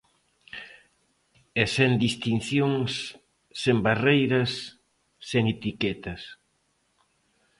E sen distincións, sen barreiras, sen etiquetas.